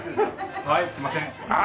はいすいません。